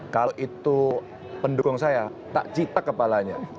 kalau itu pendukung saya tak cita kepalanya